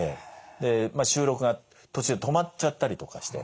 でまあ収録が途中止まっちゃったりとかして。